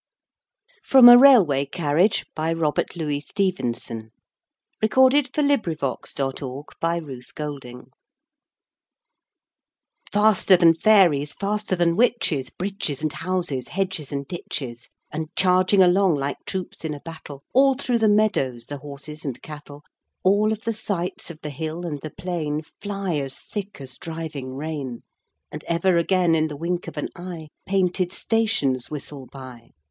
home from the sea, And the hunter home from the hill.' Robert Louis Stevenson From a Railway Carriage FASTER than fairies, faster than witches, Bridges and houses, hedges and ditches, And charging along like troops in a battle, All through the meadows the horses and cattle All of the sights of the hill and the plain Fly as thick as driving rain; And ever again, in the wink of an eye, Painted stations whistle by.